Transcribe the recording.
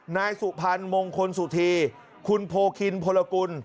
นายสุพรรณมงคลสุธีคุณโพคินพลกุล